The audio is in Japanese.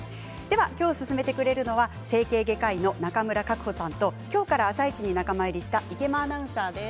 今日進めてくれるのは整形外科医の中村格子さんと今日から「あさイチ」に仲間入りした池間アナウンサーです。